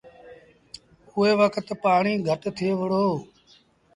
اُئي وکت پآڻيٚ گھٽ ٿئي وُهڙو۔